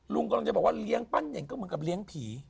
ลุงกำลังจะบอกว่าเลี้ยงปั้นเน่งก็เหมือนกับเลี้ยงผี